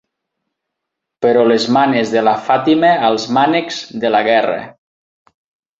Però les manes de la Fàtima als mànecs de la gerra.